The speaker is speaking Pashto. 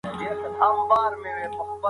ټولنیز تحلیل د ستونزو ټول اړخونه نه ښيي.